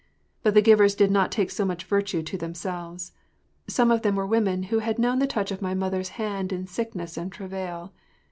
But the givers did not take so much virtue to themselves. Some of them were women who had known the touch of my mother’s hand in sickness and travail.